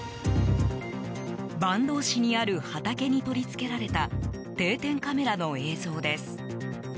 坂東市にある畑に取り付けられた定点カメラの映像です。